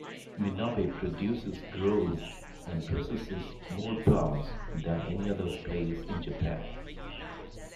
Minabe produces grows and processes more plums than any other place in Japan.